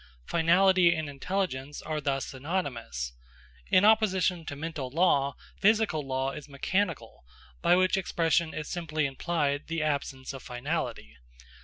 Finality and intelligence are thus synonymous. In opposition to mental law, physical law is mechanical, by which expression is simply implied the absence of finality.